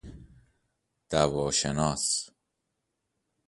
دوا شناس